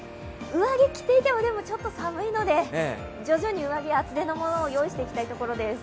上着、着ていてもちょっと寒いので徐々に上着、厚手のものを用意していきたいところです。